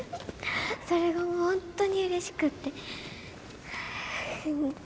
それが本当にうれしくって。